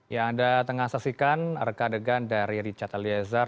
yang anda tengah saksikan reka degan dari richard eliezer